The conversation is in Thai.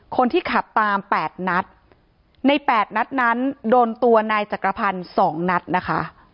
คนที่ขับตามแปดนัดในแปดนัดนั้นโดนตัวนายจักรพันธ์สองนัดนะคะ